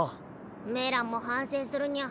メランも反省するニャ。